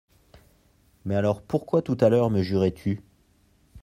Mais alors pourquoi tout à l’heure me jurais-tu ?…